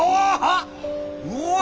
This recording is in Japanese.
うわ！